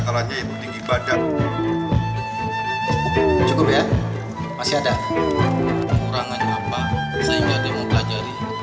kurangan apa sehingga dia mau pelajari